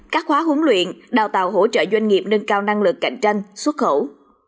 các khóa huấn luyện đào tạo hỗ trợ doanh nghiệp nâng cao năng lực cạnh tranh xuất khẩu